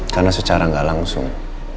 karena secara gak langsung